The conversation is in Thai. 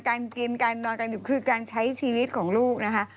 การกินการนอนกันอยู่คือการใช้ชีวิตของลูกนะคะ